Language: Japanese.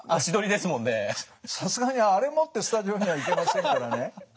さすがにあれ持ってスタジオには行けませんからね。